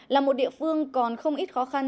là một địa phương còn không ít khó khăn